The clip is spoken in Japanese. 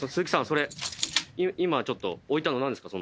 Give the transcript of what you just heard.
それ今ちょっと置いたの何ですか？